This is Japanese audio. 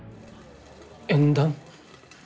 縁談？